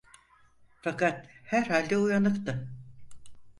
Fakat herhalde uyanıktı.